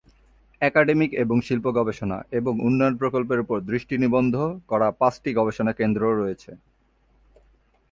Academic এবং শিল্প গবেষণা এবং উন্নয়ন প্রকল্পের উপর দৃষ্টি নিবদ্ধ করা পাঁচটি গবেষণা কেন্দ্র রয়েছে।